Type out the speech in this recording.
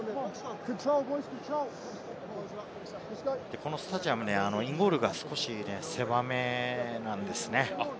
このスタジアム、インゴールが少し狭めなんですね。